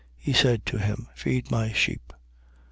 He said to him: Feed my sheep.